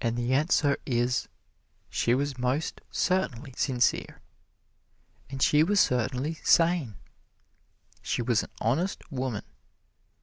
And the answer is, she was most certainly sincere, and she was certainly sane. She was an honest woman.